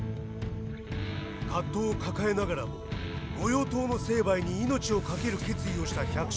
葛藤を抱えながらも御用盗の成敗に命をかける決意をした百姓たち。